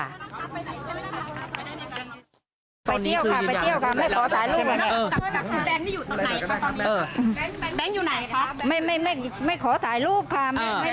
ไปเที่ยวค่ะไปเที่ยวค่ะไม่ขอถ่ายรูปค่ะ